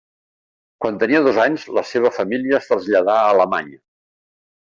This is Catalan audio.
Quan tenia dos anys la seva família es traslladà a Alemanya.